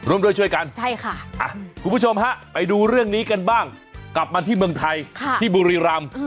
ร่วมด้วยช่วยกันใช่ค่ะคุณผู้ชมฮะไปดูเรื่องนี้กันบ้างกลับมาที่เมืองไทยที่บุรีรำ